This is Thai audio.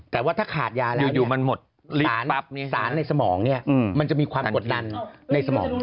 แต่ว่าถ้าขาดยาแล้วสารในสมองมันจะมีความปกติในสมอง